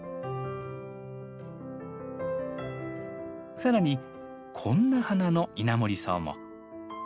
さらにこんな花のイナモリソウも。